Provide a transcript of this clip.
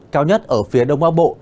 cao nhất ở phía đông bắc bộ